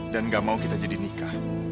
dan ga mau kita jadi nikah